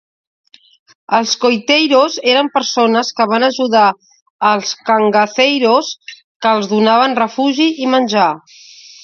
Els coiteiros eren persones que van ajudar els cangaceiros, que els donaven refugi i menjar.